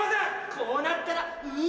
こうなったらウ！